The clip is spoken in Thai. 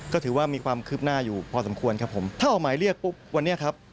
ก็ถือว่ามีความคืบหน้าอยู่พอสมควรครับผมถ้าออกหมายเรียกปุ๊บวันนี้ครับ